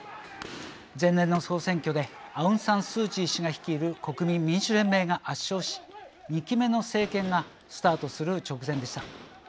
前年の総選挙でアウン・サン・スー・チー氏が率いる国民民主連盟が圧勝し２期目の政権がスタートする直前でした。